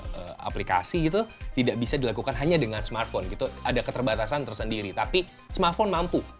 melalui aplikasi gitu tidak bisa dilakukan hanya dengan smartphone gitu ada keterbatasan tersendiri tapi smartphone mampu